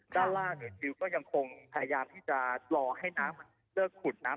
ด้านล่างซิลก็ยังคงพยายามที่จะรอให้น้ำมันเลิกขุดน้ำ